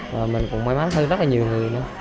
và mình cũng may mắn hơn rất là nhiều người nữa